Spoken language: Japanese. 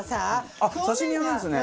あっ刺身用なんですね。